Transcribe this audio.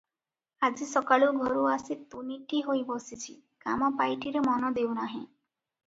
ଆଜି ସକାଳୁ ଘରୁ ଆସି ତୁନିଟି ହୋଇ ବସିଛି, କାମ ପାଇଟିରେ ମନ ଦେଉ ନାହିଁ ।